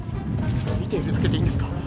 見ているだけでいいんですか！？